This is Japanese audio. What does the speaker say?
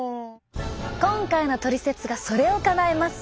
今回のトリセツがそれをかなえます。